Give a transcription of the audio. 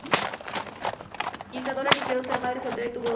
Isadora eligió ser madre soltera, y tuvo dos hijos.